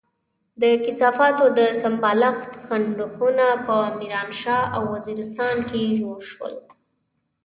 د کثافاتو د سمبالښت خندقونه په ميرانشاه او وزيرستان کې جوړ شول.